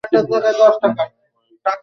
মনে হয়, ওকে কয়েক ঘন্টা সামলে রাখতে পারবে?